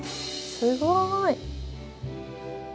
すごい。